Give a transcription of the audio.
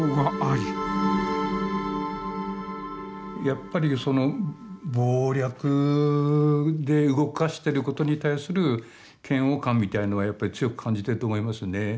やっぱり謀略で動かしてることに対する嫌悪感みたいのはやっぱり強く感じてると思いますね。